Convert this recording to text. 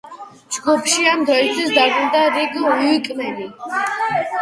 ჯგუფში ამ დროისთვის დაბრუნდა რიკ უეიკმენი.